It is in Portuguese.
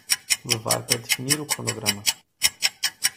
Levar para definir o cronograma